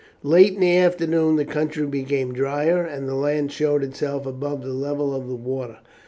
Late in the afternoon the country became drier, and the land showed itself above the level of the water.